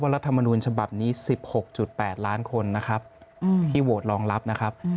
ว่ารัฐมนุญฉบับนี้๑๖๘ล้านคนที่โหวตรองรับนะครับ